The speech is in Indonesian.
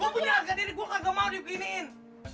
gue punya harga diri gue kagak mau diukiniin